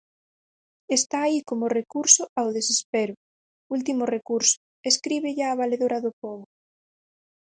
Está aí como recurso ao desespero; último recurso: escríbelle á valedora do pobo.